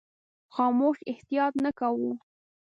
خاموش احتیاط نه کاوه.